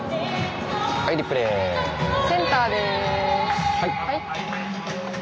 センターです。